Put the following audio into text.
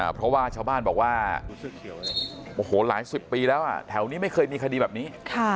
เพราะว่าชาวบ้านบอกว่าโอ้โหหลายสิบปีแล้วแถวนี้ไม่เคยมีคดีแบบนี้